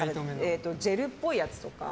ジェルっぽいやつとか。